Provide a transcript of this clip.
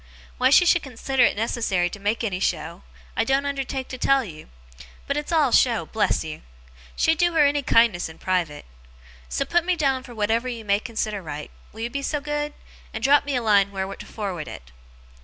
Why she should consider it necessary to make any show, I don't undertake to tell you. But it's all show, bless you. She'd do her any kindness in private. So, put me down for whatever you may consider right, will you be so good? and drop me a line where to forward it.